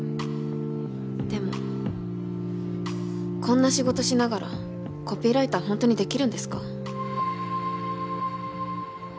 でもこんな仕事しながらコピーライターほんとにできるんですか？